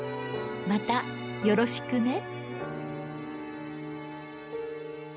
「また、よろしくね」